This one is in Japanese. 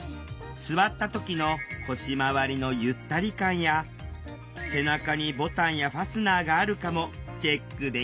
座った時の腰回りのゆったり感や背中にボタンやファスナーがあるかもチェックできる。